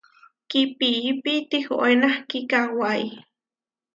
Kipiipi tihoé nahki kawái.